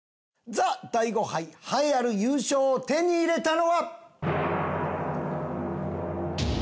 ＴＨＥ大悟杯栄えある優勝を手に入れたのは。